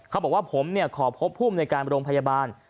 เขาบอกว่าผมขอพบภูมิในการโรงพยาบาล